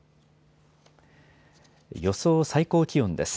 予想最高気温です。